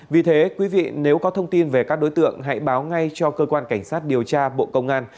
vì thế quý vị nếu có thông tin về các đối tượng hãy báo ngay cho cơ quan cảnh sát điều tra bộ công an